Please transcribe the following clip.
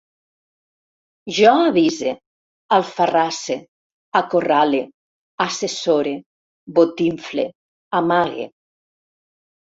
Jo avise, alfarrasse, acorrale, assessore, botinfle, amague